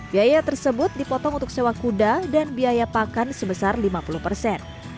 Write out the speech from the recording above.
biaya tersebut dipotong untuk sewa kuda dan biaya pakan sebesar lima puluh persen